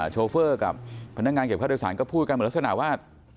โชเฟอร์กับพนักงานเก็บค่าโดยสารก็พูดกันเหมือนลักษณะว่า